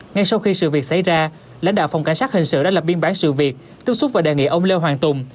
ngay sau khi sự việc xảy ra lãnh đạo phòng cảnh sát hình sự đã lập biên bản sự việc tiếp xúc và đề nghị ông lê hoàng tùng